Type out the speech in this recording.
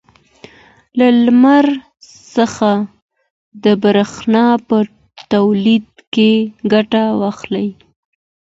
له لمر څخه د برېښنا په تولید کې ګټه واخلئ.